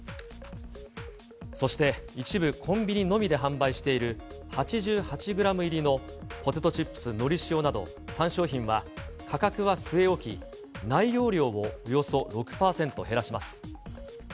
そして一部コンビニのみで販売している、８８グラム入りのポテトチップスのり塩など３商品は、価格は据え置き、内容量をおよそ６％減らします。